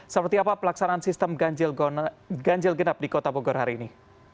seperti apa pelaksanaan sistem ganjil genap di kota bogor hari ini